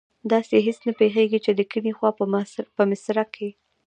داسې هېڅ نه پیښیږي چې د کیڼي خوا په مصره کې.